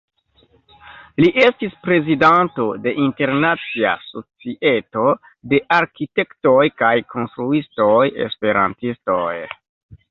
Li estis prezidanto de Internacia Societo de Arkitektoj kaj Konstruistoj Esperantistoj.